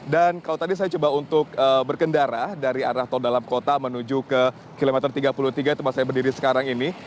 kalau tadi saya coba untuk berkendara dari arah tol dalam kota menuju ke kilometer tiga puluh tiga tempat saya berdiri sekarang ini